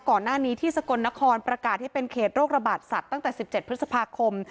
ก่อนหน้านี้ที่สกลนครประกาศให้เป็นเขตโรคระบาดสัตว์ตั้งแต่๑๗พฤษภาคม